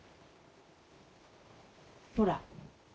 ほら。